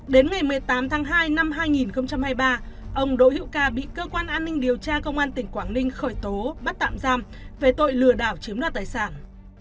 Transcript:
đến ngày một mươi tám tháng hai năm hai nghìn hai mươi ba ông đỗ hữu ca bị cơ quan an ninh điều tra công an tỉnh quảng ninh khởi tố bắt tạm giam về tội lừa đảo chiếm đoạt tài sản